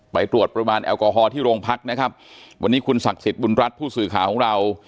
ไปตรวจปริมาณแอลกอฮอลที่โรงพักนะครับวันนี้คุณศักดิ์สิทธิ์บุญรัฐผู้สื่อข่าวของเรา